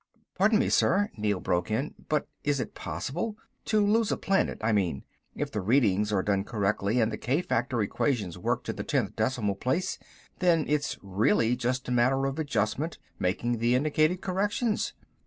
"Pardon me, sir," Neel broke in, "but is it possible? To lose a planet, I mean. If the readings are done correctly, and the k factor equations worked to the tenth decimal place, then it's really just a matter of adjustment, making the indicated corrections.